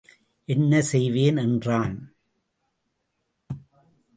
என்ன செய்வேன்? என்றான்.